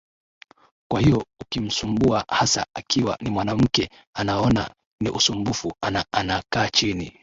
kwa hiyo ukimsumbua hasa akiwa ni mwanamke anaona ni usumbufu ana ana kaa chini